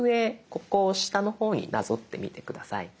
ここを下の方になぞってみて下さい。